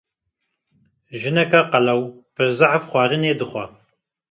jineka qelew pir zehf xwarinê dixwe.